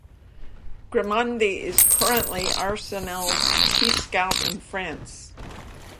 Grimandi is currently Arsenal's chief scout in France.